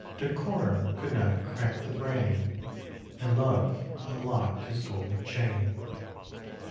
Decorum could not cramp the brain, And Love unlocked his golden chain.